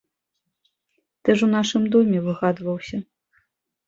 Ты ж у нашым доме выгадаваўся.